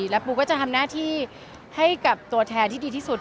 แล้วปูก็จะทำหน้าที่ให้กับตัวแทนที่ดีที่สุด